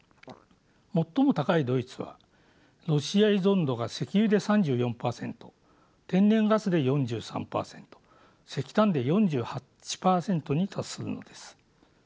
最も高いドイツはロシア依存度が石油で３４％天然ガスで４３％石炭で４８％に達するのです。